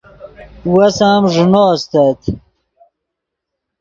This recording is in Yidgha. وس ام ݱینو استت